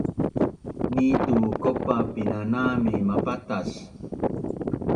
ni tu kaupa painanam mi mapatac